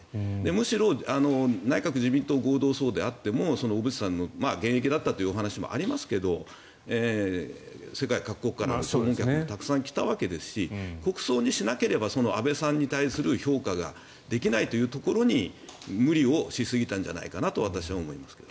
むしろ内閣・自民党合同葬についても小渕さんの現役だったというお話もありますが世界各国から弔問もたくさん来たわけですし国葬にしなければ安倍さんに対する評価ができないというところに無理をしすぎたんじゃないかなと私は思いました。